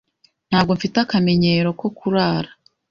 Ntabwo mfite akamenyero ko kurara.